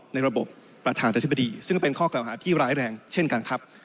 ในระบบประธานาธิบดีซึ่งก็เป็นข้อกล่าวหาที่ร้ายแรงเช่นกันครับ